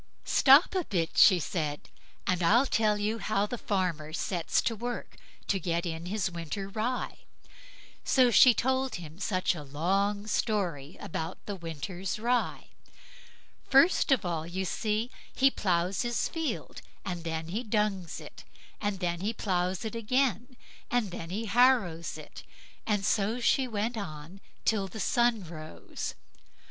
"Stop a bit", she said, "and I'll tell you how the farmer sets to work to get in his winter rye." And so she told him such a long story about the winter rye. "First of all, you see, he ploughs his field, and then he dungs it, and then he ploughs it again, and then he harrows it"; and so she went on till the sun rose.